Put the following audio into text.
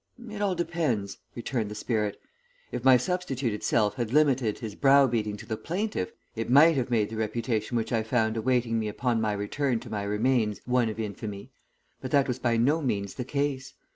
"It all depends," returned the spirit. "If my substituted self had limited his brow beating to the plaintiff, it might have made the reputation which I found awaiting me upon my return to my remains, one of infamy, but that was by no means the case.